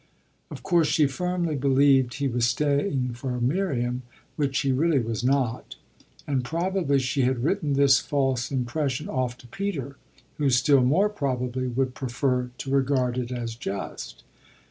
Of course she firmly believed he was staying for Miriam, which he really was not; and probably she had written this false impression off to Peter, who, still more probably, would prefer to regard it as just.